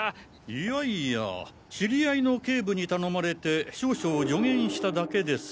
いやいや知り合いの警部に頼まれて少々助言しただけです。